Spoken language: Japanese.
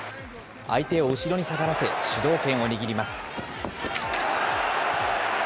相手を後ろに下がらせ、主導権を握ります。